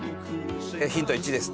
ヒント１です。